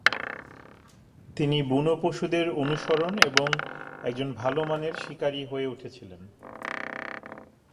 তিনি বুনো পশুদের অনুসরণ এবং একজন ভালোমানের শিকারি হয়ে উঠেছিলেন।